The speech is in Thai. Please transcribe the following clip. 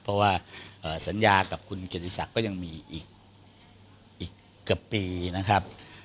เพราะว่าสัญญาณกลับของของคุณเกณฑิตริษักรยังมีอีกกระปีนะครับ